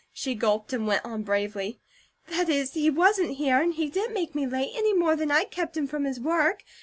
She gulped and went on bravely: "That is, he wasn't here, and he didn't make ME late, any more than I kept HIM from his work.